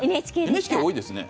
ＮＨＫ多いですね。